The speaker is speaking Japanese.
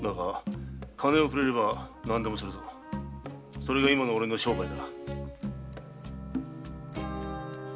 それが今のおれの商売だ。